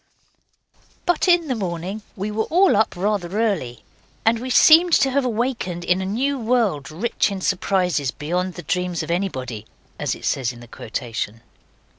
But in the morning we were all up rather early, and we seemed to have awakened in a new world rich in surprises beyond the dreams of anybody, as it says in the quotation.